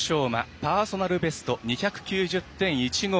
パーソナルベスト２９０．１５。